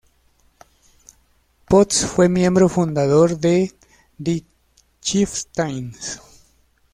Potts fue miembro fundador de "The Chieftains".